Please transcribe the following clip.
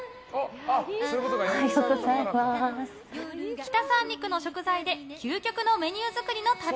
北三陸の食材で究極のメニュー作りの旅。